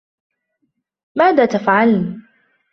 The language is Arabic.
ماذا تفعلن ؟